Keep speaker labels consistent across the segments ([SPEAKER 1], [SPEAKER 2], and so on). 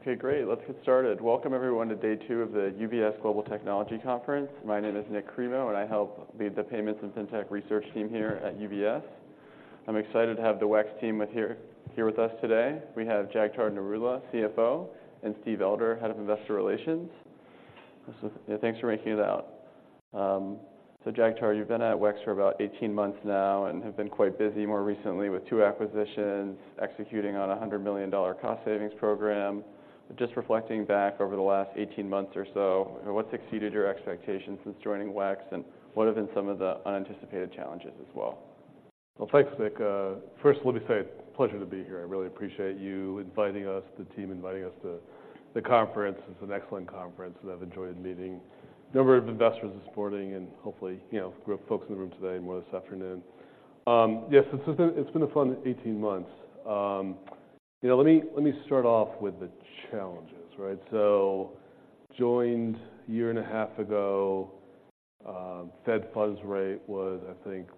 [SPEAKER 1] Okay, great! Let's get started. Welcome everyone to day two of the UBS Global Technology Conference. My name is Nik Cremo, and I help lead the Payments and FinTech research team here at UBS. I'm excited to have the WEX team with us today. We have Jagtar Narula, CFO, and Steve Elder, Head of Investor Relations. So, yeah, thanks for making it out. So Jagtar, you've been at WEX for about 18 months now and have been quite busy more recently with two acquisitions, executing on a $100 million cost savings program. Just reflecting back over the last 18 months or so, what's exceeded your expectations since joining WEX, and what have been some of the unanticipated challenges as well?
[SPEAKER 2] Well, thanks, Nik. First, let me say, it's a pleasure to be here. I really appreciate you inviting us, the team, inviting us to the conference. It's an excellent conference, and I've enjoyed meeting a number of investors this morning and hopefully, you know, group of folks in the room today, more this afternoon. Yes, it's been a fun 18 months. You know, let me start off with the challenges, right? So joined a year and a half ago, Fed funds rate was, I think,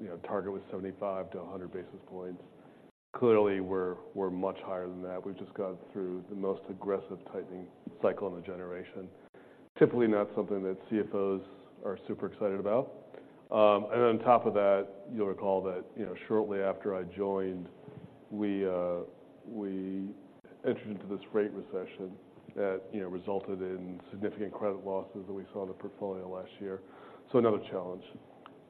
[SPEAKER 2] you know, target was 75-100 basis points. Clearly, we're much higher than that. We've just gone through the most aggressive tightening cycle in a generation. Typically, not something that CFOs are super excited about. And on top of that, you'll recall that, you know, shortly after I joined, we, we entered into this rate recession that, you know, resulted in significant credit losses that we saw in the portfolio last year. So another challenge.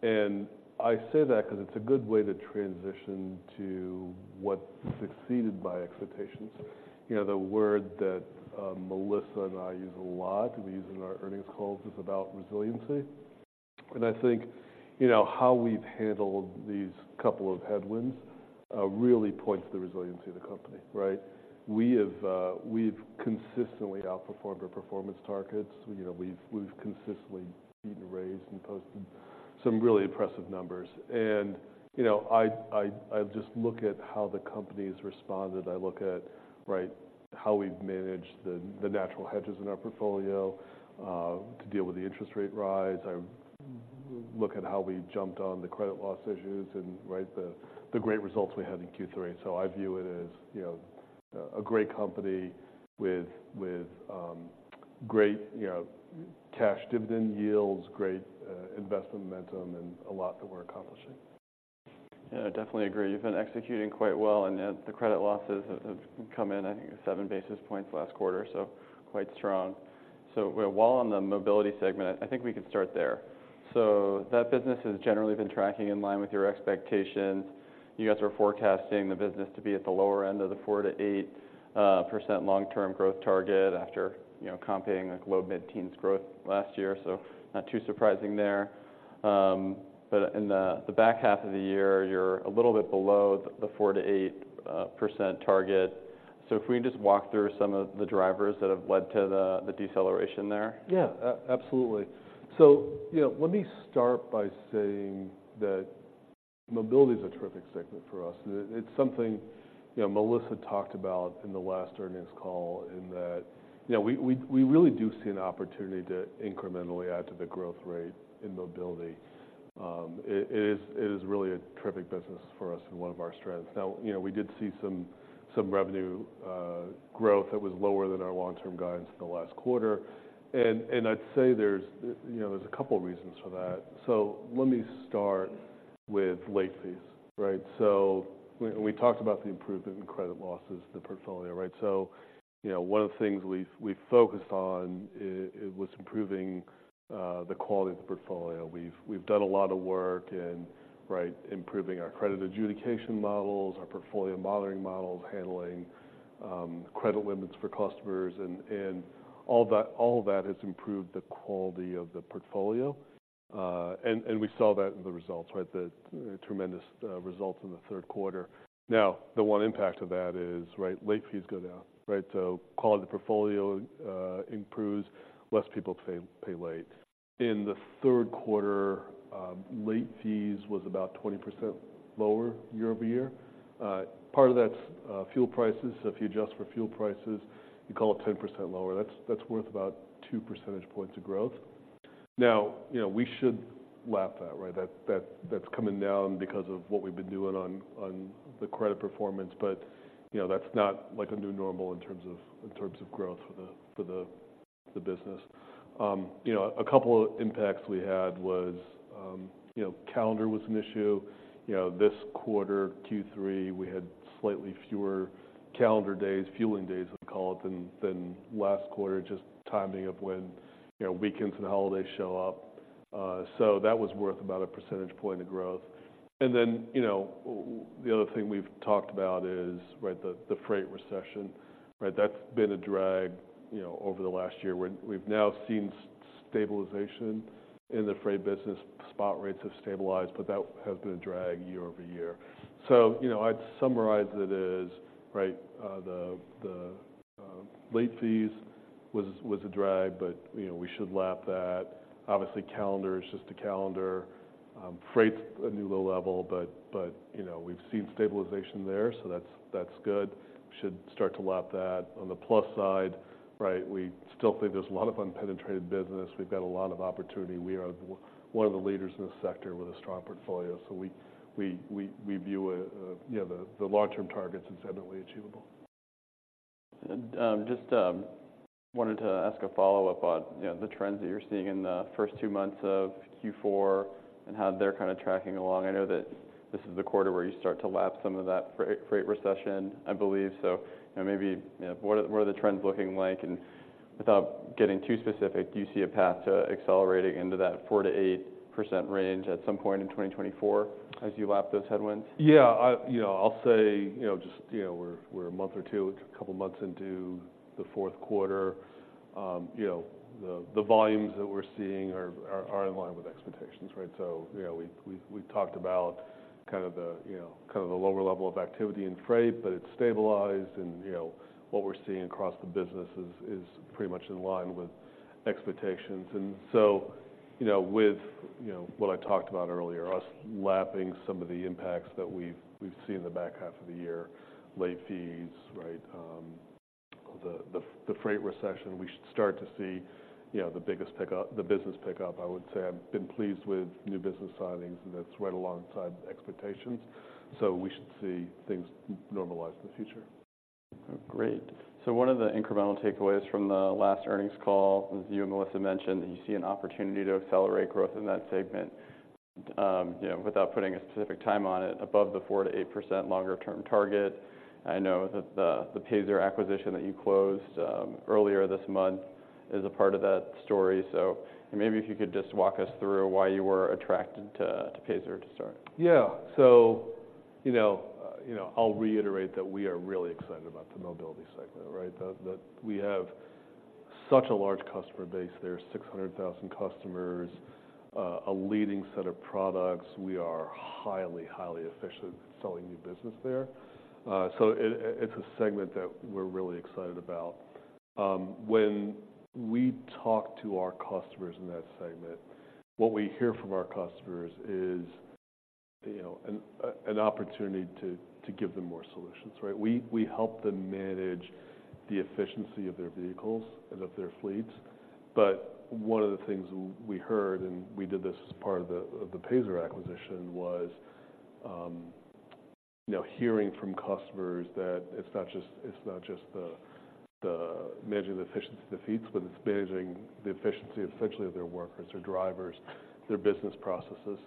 [SPEAKER 2] And I say that 'cause it's a good way to transition to what exceeded expectations. You know, the word that, Melissa and I use a lot, we use in our earnings calls, is about resiliency. And I think, you know, how we've handled these couple of headwinds, really points to the resiliency of the company, right? We have, we've consistently outperformed our performance targets. You know, we've, we've consistently beat and raised and posted some really impressive numbers. And, you know, I, I, I just look at how the company's responded. I look at, right, how we've managed the natural hedges in our portfolio to deal with the interest rate rise. I look at how we jumped on the credit loss issues and, right, the great results we had in Q3. So I view it as, you know, a great company with great, you know, cash dividend yields, great investment momentum, and a lot that we're accomplishing.
[SPEAKER 1] Yeah, I definitely agree. You've been executing quite well, and yet the credit losses have come in, I think, 7 basis points last quarter, so quite strong. So while on the Mobility segment, I think we can start there. So that business has generally been tracking in line with your expectations. You guys are forecasting the business to be at the lower end of the 4%-8% long-term growth target after, you know, comping like low mid-teens growth last year. So not too surprising there. But in the back half of the year, you're a little bit below the 4%-8% target. So if we just walk through some of the drivers that have led to the deceleration there?
[SPEAKER 2] Yeah, absolutely. So, you know, let me start by saying that Mobility is a terrific segment for us. It's something, you know, Melissa talked about in the last earnings call, in that, you know, we really do see an opportunity to incrementally add to the growth rate in Mobility. It is really a terrific business for us and one of our strengths. Now, you know, we did see some revenue growth that was lower than our long-term guidance in the last quarter. And I'd say there's, you know, there's a couple reasons for that. So let me start with late fees, right? So we talked about the improvement in credit losses, the portfolio, right? So, you know, one of the things we focused on it was improving the quality of the portfolio. We've done a lot of work in, right, improving our credit adjudication models, our portfolio modeling models, handling credit limits for customers, and all that has improved the quality of the portfolio. And we saw that in the results, right? The tremendous results in the third quarter. Now, the one impact of that is, right, late fees go down, right? So quality of the portfolio improves, less people pay late. In the third quarter, late fees was about 20% lower year-over-year. Part of that's fuel prices. So if you adjust for fuel prices, you call it 10% lower. That's worth about two percentage points of growth. Now, you know, we should lap that, right? That's coming down because of what we've been doing on the credit performance, but, you know, that's not like a new normal in terms of growth for the business. You know, a couple of impacts we had was, you know, calendar was an issue. You know, this quarter, Q3, we had slightly fewer calendar days, fueling days, I'd call it, than last quarter, just timing of when, you know, weekends and holidays show up. So that was worth about a percentage point of growth. And then, you know, the other thing we've talked about is, right, the freight recession, right? That's been a drag, you know, over the last year. We've now seen stabilization in the freight business. Spot rates have stabilized, but that has been a drag year-over-year. So, you know, I'd summarize it as, right, the late fees was a drag, but, you know, we should lap that. Obviously, calendar is just a calendar. Freight's a new low level, but, you know, we've seen stabilization there, so that's good. Should start to lap that. On the plus side, right, we still think there's a lot of unpenetrated business. We've got a lot of opportunity. We are one of the leaders in this sector with a strong portfolio, so we view it, you know, the long-term target's incidentally achievable....
[SPEAKER 1] just wanted to ask a follow-up on, you know, the trends that you're seeing in the first two months of Q4, and how they're kind of tracking along. I know that this is the quarter where you start to lap some of that freight, freight recession, I believe. So, you know, maybe, you know, what are, what are the trends looking like? And without getting too specific, do you see a path to accelerating into that 4%-8% range at some point in 2024 as you lap those headwinds?
[SPEAKER 2] Yeah, you know, I'll say, you know, just, you know, we're a month or two, a couple months into the fourth quarter. You know, the volumes that we're seeing are in line with expectations, right? So, you know, we've talked about kind of the, you know, kind of the lower level of activity in freight, but it's stabilized. You know, what we're seeing across the business is pretty much in line with expectations. So, you know, with what I talked about earlier, us lapping some of the impacts that we've seen in the back half of the year, late fees, right? The freight recession, we should start to see, you know, the biggest pick up - the business pick up. I would say I've been pleased with new business signings, and that's right alongside the expectations. So we should see things normalize in the future.
[SPEAKER 1] Oh, great. So one of the incremental takeaways from the last earnings call, as you and Melissa mentioned, that you see an opportunity to accelerate growth in that segment, you know, without putting a specific time on it, above the 4%-8% longer-term target. I know that the Payzer acquisition that you closed earlier this month is a part of that story. So maybe if you could just walk us through why you were attracted to Payzer to start.
[SPEAKER 2] Yeah. So, you know, you know, I'll reiterate that we are really excited about the Mobility segment, right? That we have such a large customer base there, 600,000 customers, a leading set of products. We are highly, highly efficient selling new business there. So it is a segment that we're really excited about. When we talk to our customers in that segment, what we hear from our customers is, you know, an opportunity to give them more solutions, right? We help them manage the efficiency of their vehicles and of their fleets. But one of the things we heard, and we did this as part of the Payzer acquisition, was, you know, hearing from customers that it's not just, it's not just the managing the efficiency of the fleets, but it's managing the efficiency, essentially, of their workers, their drivers, their business processes.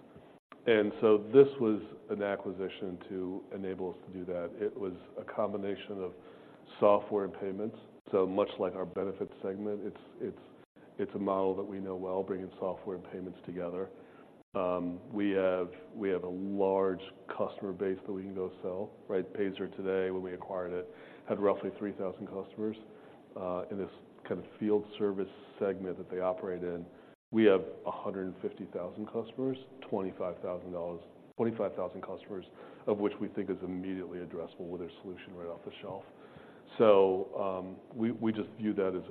[SPEAKER 2] And so this was an acquisition to enable us to do that. It was a combination of software and payments. So much like our benefits segment, it's, it's, it's a model that we know well, bringing software and payments together. We have, we have a large customer base that we can go sell, right? Payzer today, when we acquired it, had roughly 3,000 customers. In this kind of field service segment that they operate in, we have 150,000 customers, 25,000 customers, of which we think is immediately addressable with a solution right off the shelf. So, we just view that as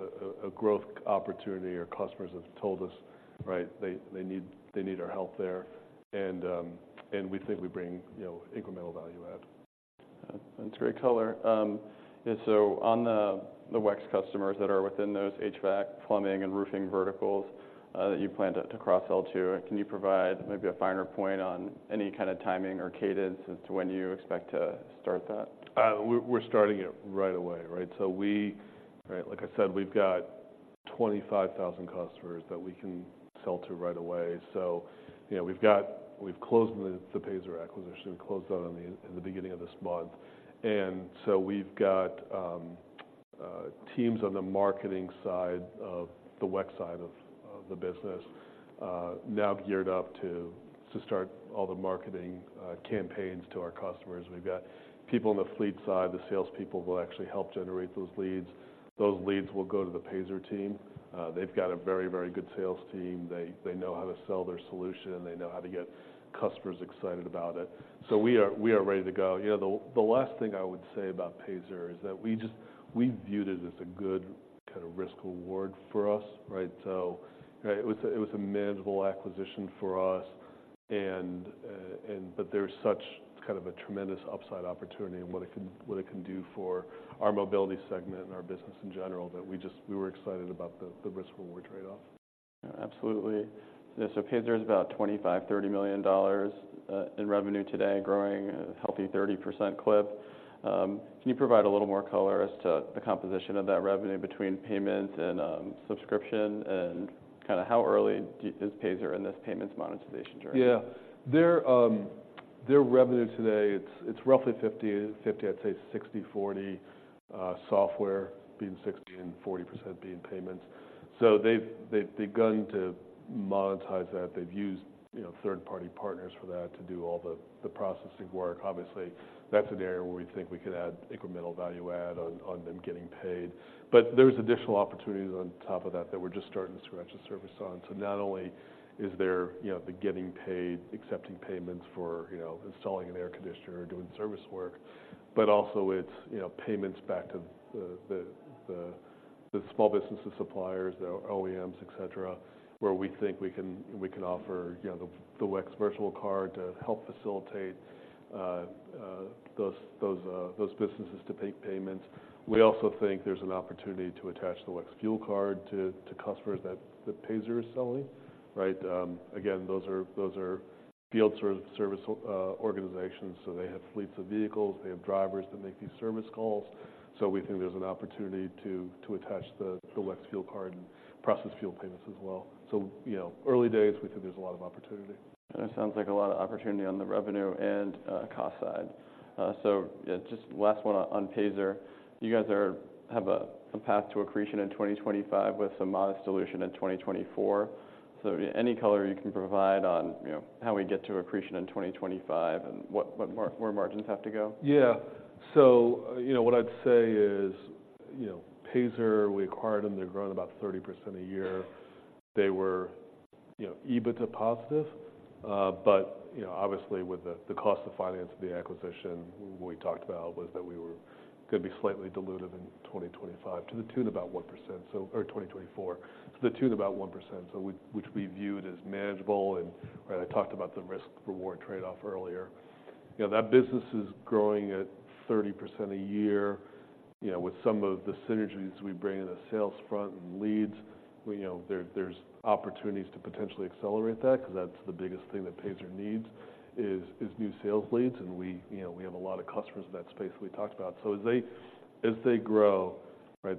[SPEAKER 2] a growth opportunity. Our customers have told us, right, they need our help there, and we think we bring, you know, incremental value add.
[SPEAKER 1] That's great color. And so on the WEX customers that are within those HVAC, plumbing, and roofing verticals that you plan to cross-sell to, can you provide maybe a finer point on any kind of timing or cadence as to when you expect to start that?
[SPEAKER 2] We're starting it right away, right? So... right, like I said, we've got 25,000 customers that we can sell to right away. So, you know, we've closed the Payzer acquisition. We closed it in the beginning of this month. So we've got teams on the marketing side of the WEX side of the business now geared up to start all the marketing campaigns to our customers. We've got people on the fleet side. The salespeople will actually help generate those leads. Those leads will go to the Payzer team. They've got a very, very good sales team. They know how to sell their solution, they know how to get customers excited about it. So we are ready to go. You know, the last thing I would say about Payzer is that we just- we viewed it as a good kind of risk-reward for us, right? So, right, it was a manageable acquisition for us, and... But there's such kind of a tremendous upside opportunity and what it can do for our Mobility segment and our business in general, that we just- we were excited about the risk-reward trade-off.
[SPEAKER 1] Yeah, absolutely. So Payzer is about $25-$30 million in revenue today, growing at a healthy 30% clip. Can you provide a little more color as to the composition of that revenue between payments and subscription, and kind of how early is Payzer in this payments monetization journey?
[SPEAKER 2] Yeah. Their, their revenue today, it's roughly 50/50, I'd say 60/40, software being 60, and 40% being payments. So they've begun to monetize that. They've used, you know, third-party partners for that to do all the processing work. Obviously, that's an area where we think we could add incremental value add on them getting paid. But there's additional opportunities on top of that that we're just starting to scratch the surface on. So not only is there, you know, the getting paid, accepting payments for, you know, installing an air conditioner or doing service work, but also it's, you know, payments back to the small businesses, suppliers, the OEMs, et cetera, where we think we can offer, you know, the WEX virtual card to help facilitate those businesses to make payments. We also think there's an opportunity to attach the WEX fuel card to customers that Payzer is selling, right? Again, those are field service organizations. So they have fleets of vehicles, they have drivers that make these service calls. So we think there's an opportunity to attach the WEX fuel card and process fuel payments as well. So, you know, early days, we think there's a lot of opportunity.
[SPEAKER 1] That sounds like a lot of opportunity on the revenue and, cost side. So, yeah, just last one on Payzer. You guys have a path to accretion in 2025, with some modest dilution in 2024. So any color you can provide on, you know, how we get to accretion in 2025, and what, where margins have to go?
[SPEAKER 2] Yeah. So, you know, what I'd say is, you know, Payzer, we acquired them, they've grown about 30% a year. They were, you know, EBITDA positive. But, you know, obviously, with the cost of financing the acquisition, what we talked about was that we were gonna be slightly dilutive in 2025, to the tune of about 1% so-- or 2024, to the tune of about 1%. So which we viewed as manageable, and I talked about the risk-reward trade-off earlier. You know, that business is growing at 30% a year. You know, with some of the synergies we bring in the sales front and leads, we know there, there's opportunities to potentially accelerate that, because that's the biggest thing that Payzer needs, is new sales leads. We, you know, we have a lot of customers in that space we talked about. So as they, as they grow, right,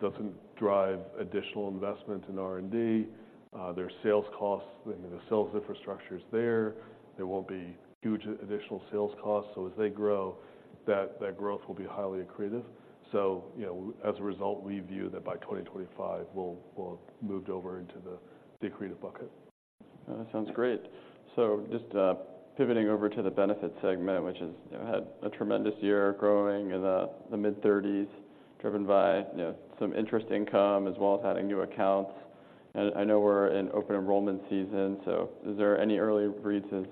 [SPEAKER 2] doesn't drive additional investment in R&D. Their sales costs, the sales infrastructure is there. There won't be huge additional sales costs. So as they grow, that, that growth will be highly accretive. So, you know, as a result, we view that by 2025, we'll, we'll have moved over into the accretive bucket.
[SPEAKER 1] That sounds great. So just pivoting over to the Benefits segment, which has, you know, had a tremendous year, growing in the mid-30s, driven by, you know, some interest income, as well as adding new accounts. I know we're in open enrollment season, so is there any early reads as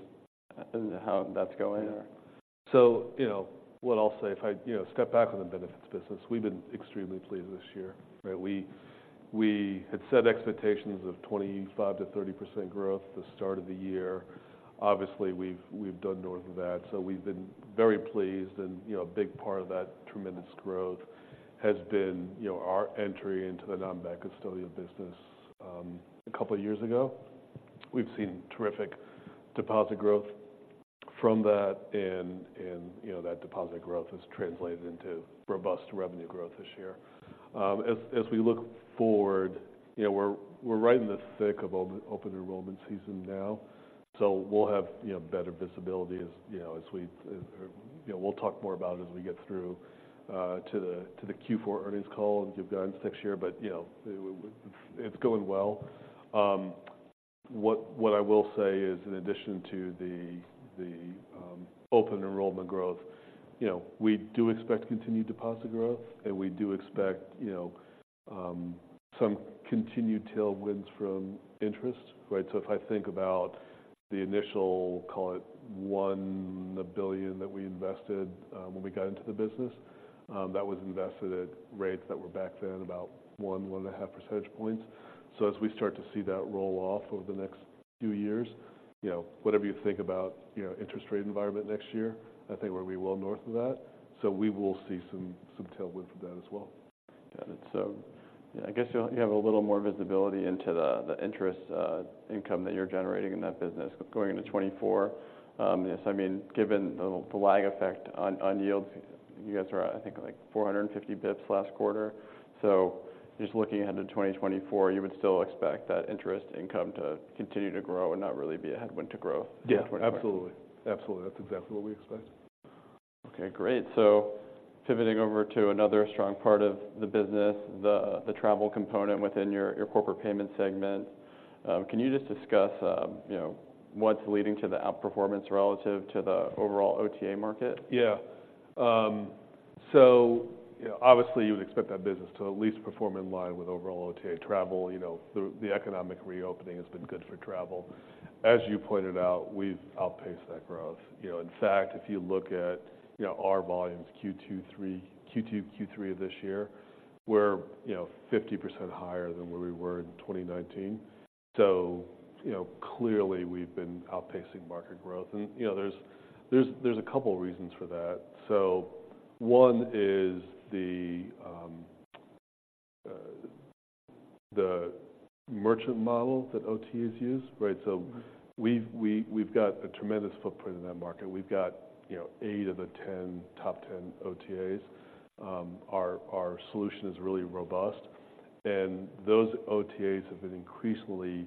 [SPEAKER 1] to how that's going?
[SPEAKER 2] So, you know, what I'll say, if I, you know, step back from the benefits business, we've been extremely pleased this year, right? We had set expectations of 25%-30% growth the start of the year. Obviously, we've done north of that, so we've been very pleased. And, you know, a big part of that tremendous growth has been, you know, our entry into the non-bank custodial business a couple of years ago. We've seen terrific deposit growth from that, and, you know, that deposit growth has translated into robust revenue growth this year. As we look forward, you know, we're right in the thick of open enrollment season now, so we'll have, you know, better visibility as we, you know, we'll talk more about as we get through to the Q4 earnings call, and give guidance next year. But, you know, it's going well. What I will say is, in addition to the open enrollment growth, you know, we do expect continued deposit growth, and we do expect, you know, some continued tailwinds from interest, right? So if I think about the initial, call it $1 billion, that we invested when we got into the business, that was invested at rates that were back then about 1.5 percentage points. As we start to see that roll off over the next few years, you know, whatever you think about, you know, interest rate environment next year, I think we'll be well north of that, so we will see some, some tailwind from that as well.
[SPEAKER 1] Got it. So I guess you'll have a little more visibility into the interest income that you're generating in that business going into 2024. Yes, I mean, given the lag effect on yields, you guys are, I think, like 450 basis points last quarter. So just looking ahead to 2024, you would still expect that interest income to continue to grow and not really be a headwind to growth?
[SPEAKER 2] Yeah, absolutely. Absolutely. That's exactly what we expect.
[SPEAKER 1] Okay, great. So pivoting over to another strong part of the business, the travel component within your Corporate Payments segment. Can you just discuss, you know, what's leading to the outperformance relative to the overall OTA market?
[SPEAKER 2] Yeah. So obviously, you would expect that business to at least perform in line with overall OTA travel. You know, the economic reopening has been good for travel. As you pointed out, we've outpaced that growth. You know, in fact, if you look at, you know, our volumes, Q2, Q3 of this year, we're, you know, 50% higher than where we were in 2019. So, you know, clearly we've been outpacing market growth, and, you know, there's a couple reasons for that. So one is the merchant model that OTAs use, right? So we've got a tremendous footprint in that market. We've got, you know, eight of the 10 top ten OTAs. Our solution is really robust, and those OTAs have been increasingly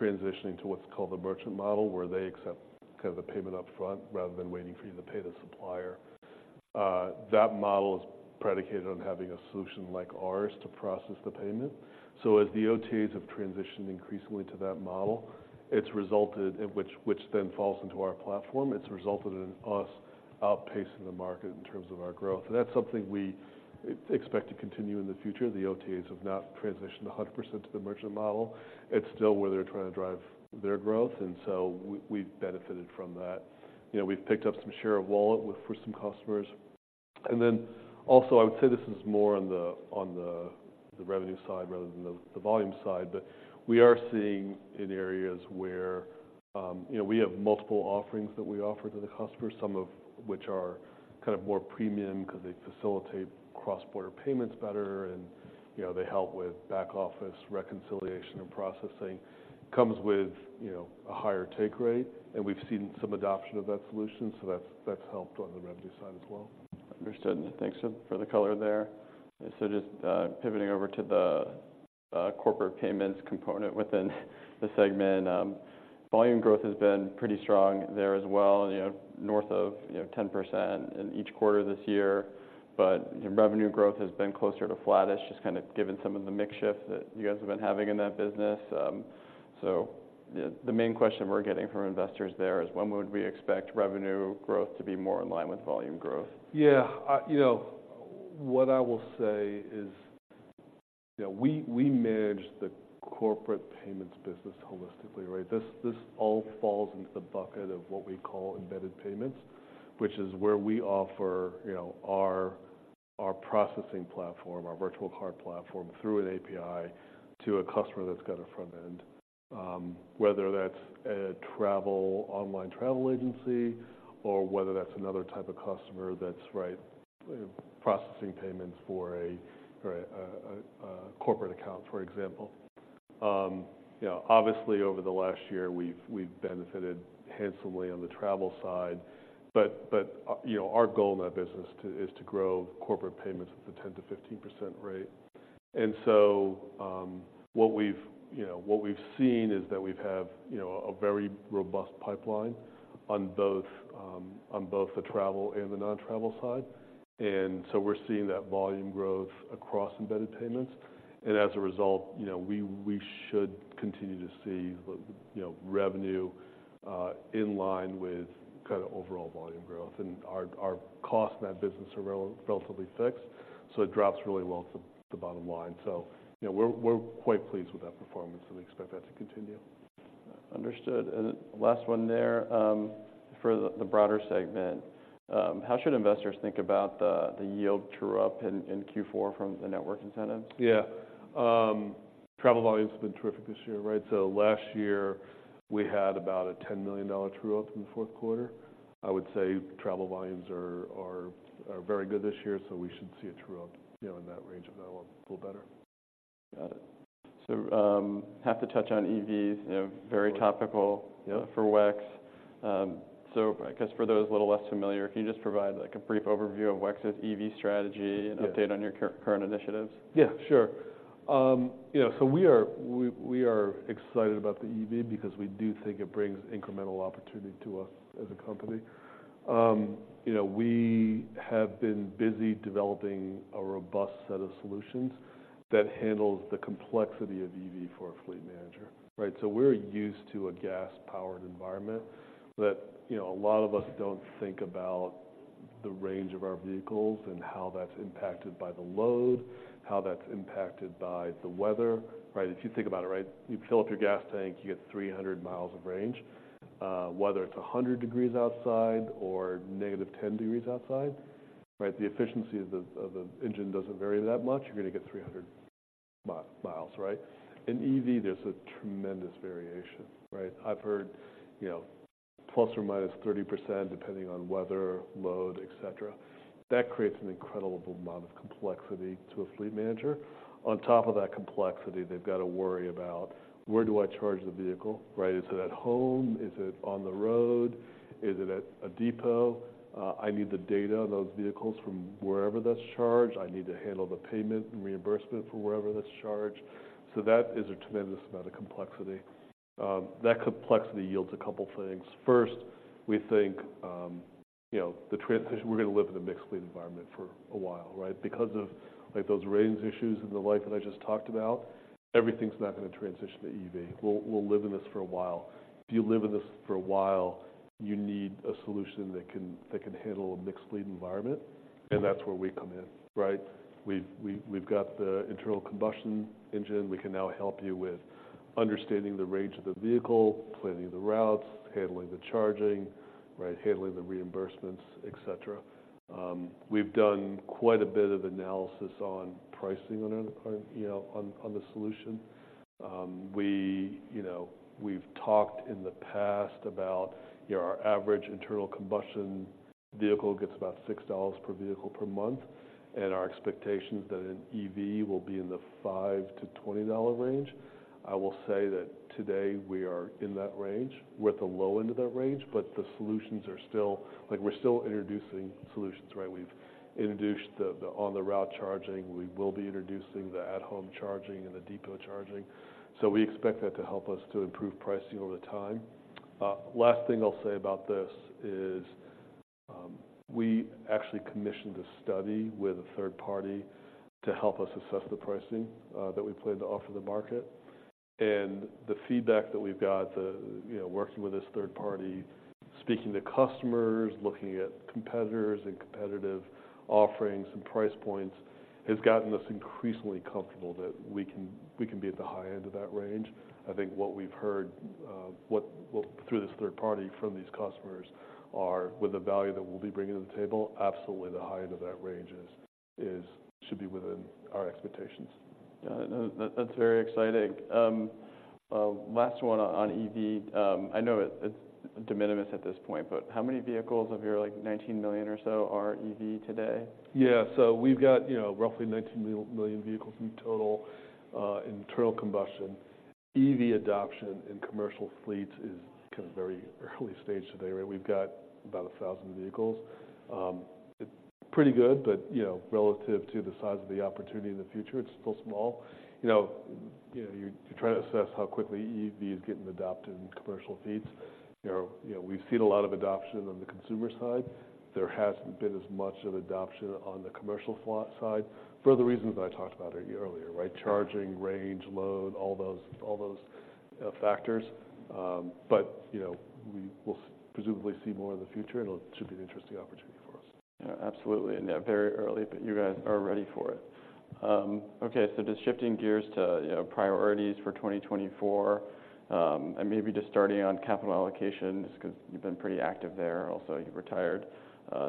[SPEAKER 2] transitioning to what's called the merchant model, where they accept kind of the payment up front rather than waiting for you to pay the supplier. That model is predicated on having a solution like ours to process the payment. So as the OTAs have transitioned increasingly to that model, it's resulted in which then falls into our platform, it's resulted in us outpacing the market in terms of our growth. And that's something we expect to continue in the future. The OTAs have not transitioned 100% to the merchant model. It's still where they're trying to drive their growth, and so we've benefited from that. You know, we've picked up some share of wallet with for some customers. And then also, I would say this is more on the revenue side rather than the volume side, but we are seeing in areas where, you know, we have multiple offerings that we offer to the customer, some of which are kind of more premium because they facilitate cross-border payments better and, you know, they help with back office reconciliation and processing. Comes with, you know, a higher take rate, and we've seen some adoption of that solution, so that's helped on the revenue side as well.
[SPEAKER 1] Understood. Thanks for the color there. So just pivoting over to the corporate payments component within the segment. Volume growth has been pretty strong there as well, you know, north of 10% in each quarter this year. But revenue growth has been closer to flattish, just kind of given some of the mix shift that you guys have been having in that business. So the main question we're getting from investors there is when would we expect revenue growth to be more in line with volume growth?
[SPEAKER 2] Yeah, you know, what I will say is, you know, we manage the corporate payments business holistically, right? This, this all falls into the bucket of what we call embedded payments, which is where we offer, you know, our processing platform, our virtual card platform, through an API to a customer that's got a front end. Whether that's a travel, online travel agency or whether that's another type of customer that's right, processing payments for a corporate account, for example. You know, obviously, over the last year, we've benefited handsomely on the travel side, but, you know, our goal in that business is to grow corporate payments at a 10%-15% rate. And so, what we've, you know, what we've seen is that we have, you know, a very robust pipeline on both, on both the travel and the non-travel side. And so we're seeing that volume growth across embedded payments, and as a result, you know, we should continue to see the, you know, revenue in line with kind of overall volume growth. And our costs in that business are relatively fixed, so it drops really well to the bottom line. So, you know, we're quite pleased with that performance, and we expect that to continue.
[SPEAKER 1] Understood. And last one there, for the broader segment. How should investors think about the yield true-up in Q4 from the network incentives?
[SPEAKER 2] Yeah. Travel volume's been terrific this year, right? So last year, we had about a $10 million true-up in the fourth quarter. I would say travel volumes are very good this year, so we should see a true-up, you know, in that range of that or a little better.
[SPEAKER 1] Got it. So, have to touch on EVs, you know, very topical-
[SPEAKER 2] Yeah...
[SPEAKER 1] for WEX. So I guess for those a little less familiar, can you just provide, like, a brief overview of WEX's EV strategy?
[SPEAKER 2] Yeah
[SPEAKER 1] An update on your current initiatives?
[SPEAKER 2] Yeah, sure. You know, so we are excited about the EV because we do think it brings incremental opportunity to us as a company. You know, we have been busy developing a robust set of solutions that handles the complexity of EV for a fleet manager, right? So we're used to a gas-powered environment that, you know, a lot of us don't think about the range of our vehicles and how that's impacted by the load, how that's impacted by the weather, right? If you think about it, right, you fill up your gas tank, you get 300 miles of range. Whether it's 100 degrees outside or negative 10 degrees outside, right, the efficiency of the engine doesn't vary that much. You're going to get 300 miles, right? In EV, there's a tremendous variation, right? I've heard, you know, ±30%, depending on weather, load, et cetera. That creates an incredible amount of complexity to a fleet manager. On top of that complexity, they've got to worry about: Where do I charge the vehicle, right? Is it at home? Is it on the road? Is it at a depot? I need the data on those vehicles from wherever that's charged. I need to handle the payment and reimbursement for wherever that's charged. So that is a tremendous amount of complexity. That complexity yields a couple things. First, we think, you know, the transition—we're going to live in a mixed fleet environment for a while, right? Because of, like, those range issues and the like that I just talked about, everything's not going to transition to EV. We'll, we'll live in this for a while. If you live in this for a while, you need a solution that can handle a mixed fleet environment, and that's where we come in, right? We've got the internal combustion engine. We can now help you with understanding the range of the vehicle, planning the routes, handling the charging, right, handling the reimbursements, et cetera. We've done quite a bit of analysis on pricing on our, you know, on the solution. We, you know, we've talked in the past about, you know, our average internal combustion vehicle gets about $6 per vehicle per month, and our expectation is that an EV will be in the $5-$20 range. I will say that today we are in that range. We're at the low end of that range, but the solutions are still... Like, we're still introducing solutions, right? We've introduced the on-the-route charging. We will be introducing the at-home charging and the depot charging, so we expect that to help us to improve pricing over time. Last thing I'll say about this is, we actually commissioned a study with a third party to help us assess the pricing that we plan to offer the market. And the feedback that we've got, you know, working with this third party, speaking to customers, looking at competitors and competitive offerings and price points, has gotten us increasingly comfortable that we can, we can be at the high end of that range. I think what we've heard through this third party from these customers, with the value that we'll be bringing to the table, absolutely the high end of that range should be within our expectations....
[SPEAKER 1] Yeah, that, that's very exciting. Last one on EV. I know it, it's de minimis at this point, but how many vehicles of your, like, 19 million or so are EV today?
[SPEAKER 2] Yeah. So we've got, you know, roughly 19 million vehicles in total, internal combustion. EV adoption in commercial fleets is kind of very early stage today, right? We've got about 1,000 vehicles. It's pretty good, but, you know, relative to the size of the opportunity in the future, it's still small. You know, you try to assess how quickly EV is getting adopted in commercial fleets. You know, we've seen a lot of adoption on the consumer side. There hasn't been as much of adoption on the commercial fleet side for the reasons I talked about earlier, right? Charging, range, load, all those factors. But, you know, we will presumably see more in the future, and it should be an interesting opportunity for us.
[SPEAKER 1] Yeah, absolutely. And, yeah, very early, but you guys are ready for it. Okay, so just shifting gears to, you know, priorities for 2024, and maybe just starting on capital allocation, just 'cause you've been pretty active there. Also, you've retired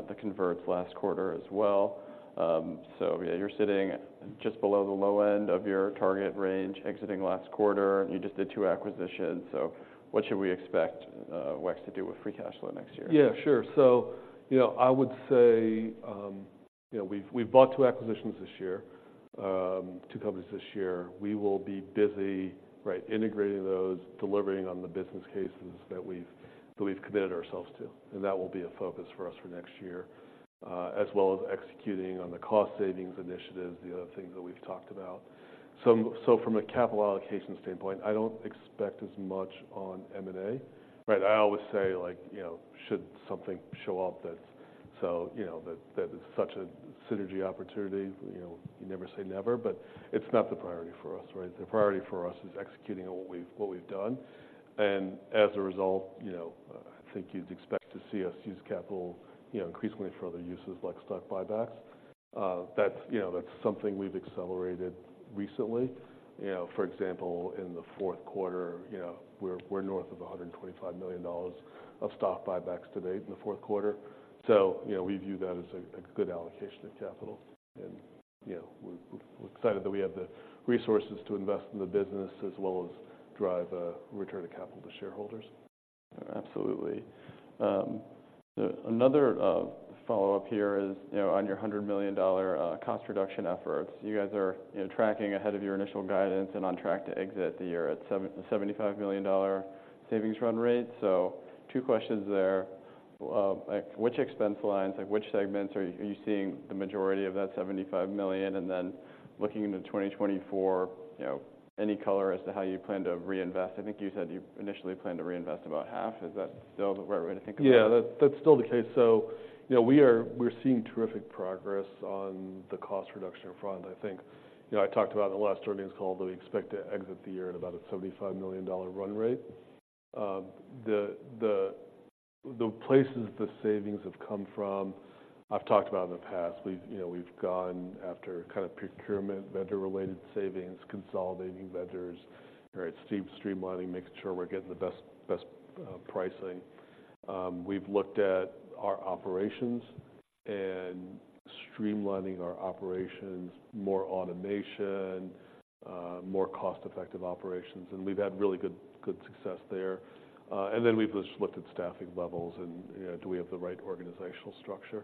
[SPEAKER 1] the converts last quarter as well. So yeah, you're sitting just below the low end of your target range exiting last quarter, and you just did two acquisitions. So what should we expect, WEX to do with free cash flow next year?
[SPEAKER 2] Yeah, sure. So, you know, I would say, you know, we've bought two acquisitions this year, two companies this year. We will be busy, right, integrating those, delivering on the business cases that we've committed ourselves to, and that will be a focus for us for next year, as well as executing on the cost savings initiatives, the other things that we've talked about. So, from a capital allocation standpoint, I don't expect as much on M&A, right? I always say, like, you know, should something show up that's... So, you know, that is such a synergy opportunity, you know, you never say never, but it's not the priority for us, right? The priority for us is executing on what we've done, and as a result, you know, I think you'd expect to see us use capital, you know, increasingly for other uses, like stock buybacks. That's, you know, that's something we've accelerated recently. You know, for example, in the fourth quarter, you know, we're north of $125 million of stock buybacks to date in the fourth quarter. So, you know, we view that as a good allocation of capital. And, you know, we're excited that we have the resources to invest in the business as well as drive return of capital to shareholders.
[SPEAKER 1] Absolutely. Another follow-up here is, you know, on your $100 million cost reduction efforts. You guys are, you know, tracking ahead of your initial guidance and on track to exit the year at $75 million savings run rate. So two questions there: Like, which expense lines, like, which segments are you seeing the majority of that $75 million? And then, looking into 2024, you know, any color as to how you plan to reinvest? I think you said you initially planned to reinvest about half. Is that still the right way to think about it?
[SPEAKER 2] Yeah, that's still the case. So, you know, we are—we're seeing terrific progress on the cost reduction front. I think. You know, I talked about in the last earnings call that we expect to exit the year at about a $75 million run rate. The places the savings have come from, I've talked about in the past. We've, you know, we've gone after kind of procurement, vendor-related savings, consolidating vendors, right? Streamlining, making sure we're getting the best pricing. We've looked at our operations and streamlining our operations, more automation, more cost-effective operations, and we've had really good success there. And then we've just looked at staffing levels and, you know, do we have the right organizational structure?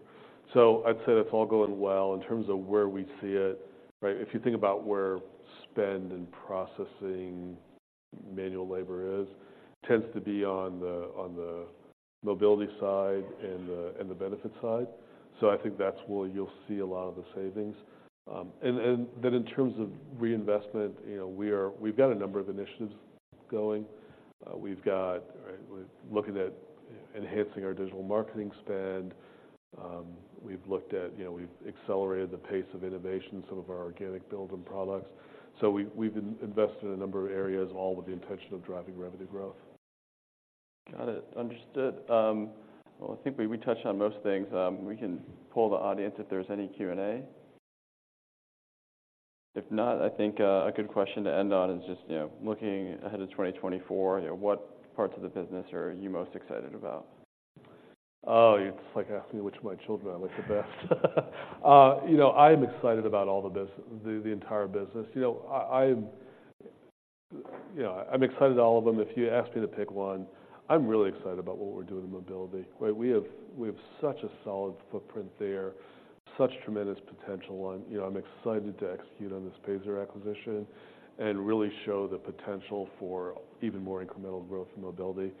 [SPEAKER 2] So I'd say that's all going well. In terms of where we see it, right, if you think about where spend and processing manual labor is, tends to be on the Mobility side and the Benefits side. So I think that's where you'll see a lot of the savings. And then in terms of reinvestment, you know, we've got a number of initiatives going. We're looking at enhancing our digital marketing spend. We've looked at, you know, we've accelerated the pace of innovation, some of our organic build and products. So we've been invested in a number of areas, all with the intention of driving revenue growth.
[SPEAKER 1] Got it. Understood. Well, I think we touched on most things. We can poll the audience if there's any Q&A. If not, I think a good question to end on is just, you know, looking ahead to 2024, you know, what parts of the business are you most excited about?
[SPEAKER 2] Oh, it's like asking me which of my children I like the best. You know, I'm excited about all the business, the entire business. You know, I'm excited about all of them. If you ask me to pick one, I'm really excited about what we're doing in Mobility, right? We have such a solid footprint there, such tremendous potential. And, you know, I'm excited to execute on this Payzer acquisition and really show the potential for even more incremental growth in Mobility.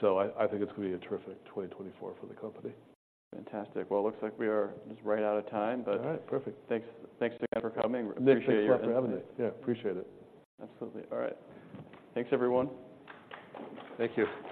[SPEAKER 2] So I think it's gonna be a terrific 2024 for the company.
[SPEAKER 1] Fantastic. Well, it looks like we are just right out of time, but-
[SPEAKER 2] All right. Perfect.
[SPEAKER 1] Thanks, thanks again for coming.
[SPEAKER 2] Nik, thanks for having me.
[SPEAKER 1] Appreciate your input.
[SPEAKER 2] Yeah, appreciate it.
[SPEAKER 1] Absolutely. All right. Thanks, everyone.
[SPEAKER 2] Thank you.